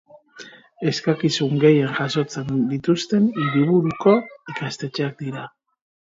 Eskakizun gehien jasotzen dituzten hiriburuko ikastetxeak dira.